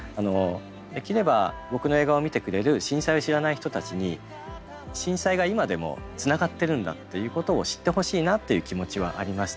できれば僕の映画を見てくれる震災を知らない人たちに震災が今でもつながってるんだっていうことを知ってほしいなっていう気持ちはありました。